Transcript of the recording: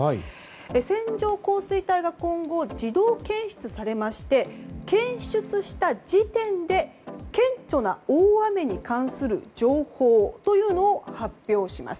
線状降水帯が今後自動検出されまして検出した時点で顕著な大雨に関する情報というのを発表します。